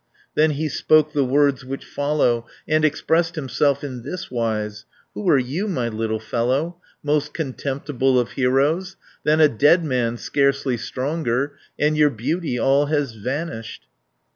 130 Then he spoke the words which follow, And expressed himself in this wise: "Who are you, my little fellow, Most contemptible of heroes, Than a dead man scarcely stronger; And your beauty all has vanished."